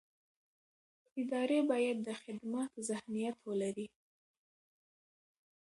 ادارې باید د خدمت ذهنیت ولري